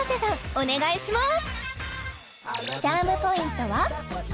お願いします！